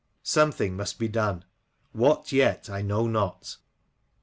Something must be done. What, yet, I know not."